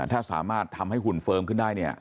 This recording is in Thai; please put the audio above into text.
ถ้าสามารถทำให้หุ่นเฟิร์มขึ้นได้เนี่ย